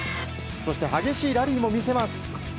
そして激しいラリーも見せます。